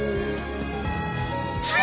はい！